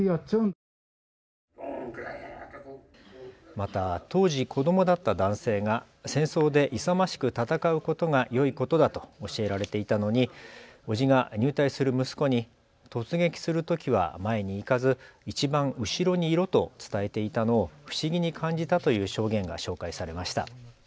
また当時子どもだった男性が戦争で勇ましくたたかうことがよいことだと教えられていたのにおじが入隊する息子に突撃するときは前に行かずいちばん後ろにいろと伝えていたのを不思議に感じたという証言が紹介されました。